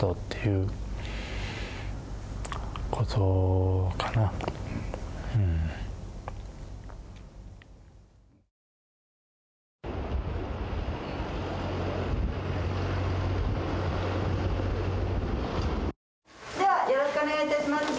うんうんではよろしくお願いいたします